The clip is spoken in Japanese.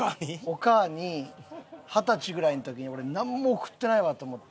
お母に二十歳ぐらいの時に俺なんも送ってないわと思って。